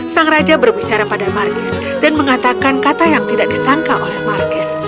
sang raja berbicara pada margis dan mengatakan kata yang tidak disangka oleh markis